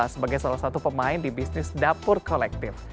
sebagai salah satu pemain di bisnis dapur kolektif